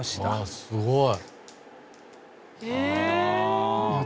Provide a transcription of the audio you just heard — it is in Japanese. すごい！